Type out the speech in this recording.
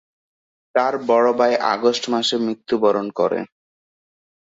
তার বড় ভাই আগস্ট মাসে মৃত্যুবরণ করে।